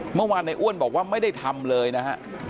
เมื่อวานในอ้วนบอกว่าไม่ได้ทำเลยนะฮะ